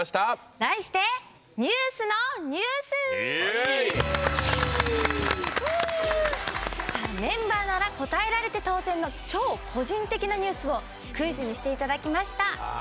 題して「ＮＥＷＳのＮＥＷＳ」。メンバーなら答えられて当然の超個人的なニュースをクイズにしていただきました。